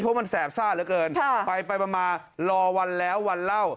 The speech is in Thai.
เพราะมันแสบซ่าเหลือเกินไปมารอวันแล้ววันเล่า